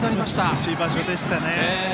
難しい場所でしたね。